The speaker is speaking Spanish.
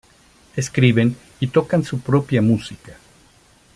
Escriben y tocan su propia música.